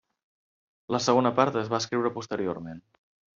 La segona part es va escriure posteriorment.